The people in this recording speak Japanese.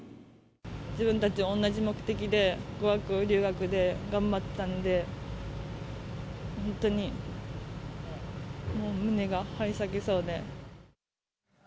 自分たち、同じ目的で、語学留学で頑張ってたので、本当にもう胸が張り裂けそうで。